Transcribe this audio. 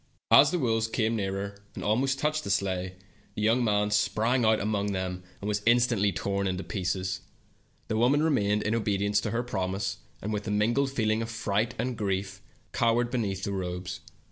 As the wolves came nearer, and almost touched the sleigh, the young man sprang among them, and was instantly torn in pieces. The woman remained, in obedience to her promise, and with a mingled feel ing of fright and grief cowered beneath the robes.